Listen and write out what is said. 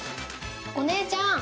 お姉ちゃん！